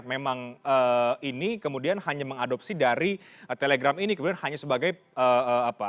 memang ini kemudian hanya mengadopsi dari telegram ini kemudian hanya sebagai apa